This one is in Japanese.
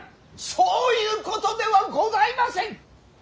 そういうことではございません。